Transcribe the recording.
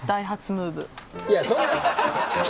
いやそんな。